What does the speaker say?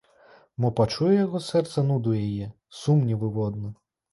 Мо пачуе яго сэрца нуду яе, сум невыводны?